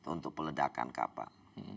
untuk peledakan kapal